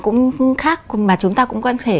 cũng khác mà chúng ta cũng có thể